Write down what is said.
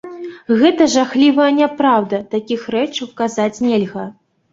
Гэта жахлівая няпраўда, такіх рэчаў казаць нельга.